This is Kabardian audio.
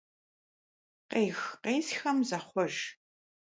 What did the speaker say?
Къех-къесхэм захъуэж.